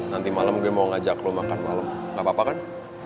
nanti malem gue mau ngajak lo makan malem gapapa kan